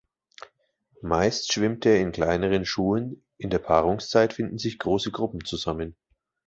Meist schwimmt er in kleineren Schulen, in der Paarungszeit finden sich große Gruppen zusammen.